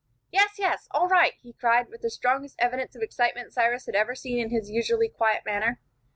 "Yes, yes all right!" he cried, with the strongest evidences of excitement Cyrus had ever seen in his usually quiet manner.